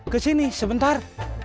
ke sini sebentar